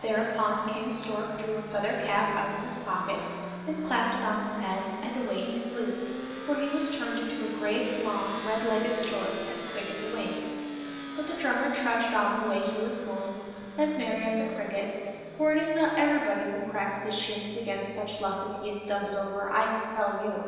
Thereupon King Stork drew a feather cap out of his pocket and clapped it on his head, and away he flew, for he was turned into a great, long, red legged stork as quick as a wink. But the drummer trudged on the way he was going, as merry as a cricket, for it is not everybody who cracks his shins against such luck as he had stumbled over, I can tell you.